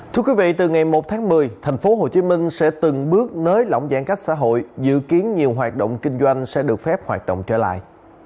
thưa quý vị từ ngày một tháng một mươi tp hcm sẽ từng bước nới lỏng giãn cách xã hội dự kiến nhiều hoạt động kinh doanh sẽ được phép hoạt động trở lại